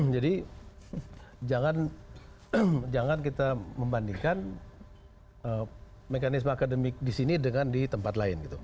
jadi jangan kita membandingkan mekanisme akademik disini dengan di tempat lain gitu